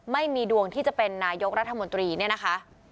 ไม่มีดวงที่จะเป็นนายกรัฐมนตรีเนี่ยนะคะ